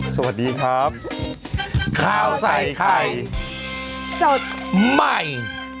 สวัสดีครับข้าวใส่ไข่สดใหม่